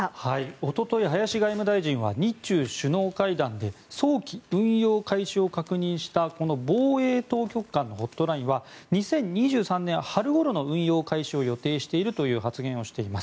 おととい、林外務大臣は日中首脳会談で早期運用開始を確認したこの防衛当局間のホットラインは２０２３年春ごろの運用開始を予定しているという発言をしています。